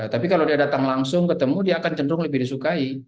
tapi kalau dia datang langsung ketemu dia akan cenderung lebih disukai